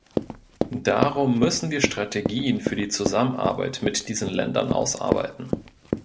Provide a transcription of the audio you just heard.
Darum müssen wir Strategien für die Zusammenarbeit mit diesen Ländern ausarbeiten.